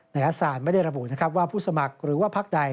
ในอัตสารไม่ได้ระบุว่าผู้สมัครหรือว่าภักดิ์ใด